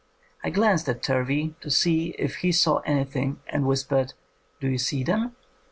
I glanced at Turvey to see if he saw anything, and whispered, 'Do you see them'?'